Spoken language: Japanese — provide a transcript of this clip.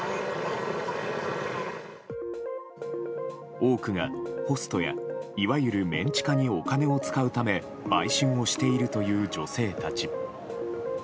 多くがホストや、いわゆるメン地下にお金を使うため売春をしているという女性たち。